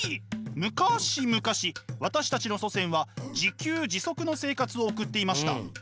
むかし昔私たちの祖先は自給自足の生活を送っていました。